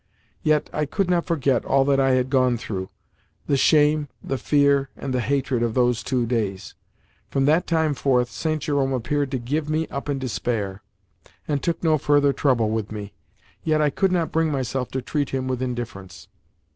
Yet, I could not forget all that I had gone through—the shame, the fear, and the hatred of those two days. From that time forth, St. Jerome appeared to give me up in despair, and took no further trouble with me, yet I could not bring myself to treat him with indifference.